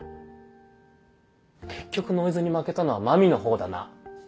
結局ノイズに負けたのは麻美の方だな。